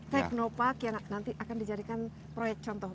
teknopark yang nanti akan dijadikan proyek contoh